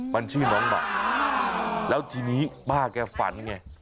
มันชื่อน้องหมาแล้วทีนี้ป้าแกฝันไง